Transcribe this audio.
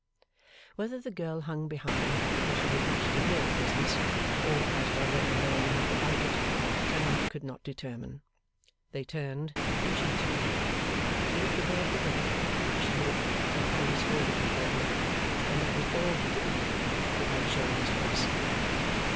Whether the girl hung behind because she was not to hear the business, or as already knowing enough about it, Clennam could not determine. They turned and she turned. She looked away at the river, as she walked with her hands folded before her; and that was all he could make of her without showing his face.